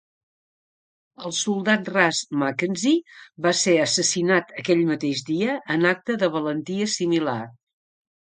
El soldat ras Mackenzie va ser assassinat aquell mateix dia en acte de valentia similar.